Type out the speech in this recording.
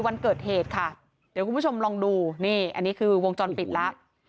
วันเกิดเหตุค่ะเดี๋ยวคุณผู้ชมลองดูนี่อันนี้คือวงจรปิดแล้ว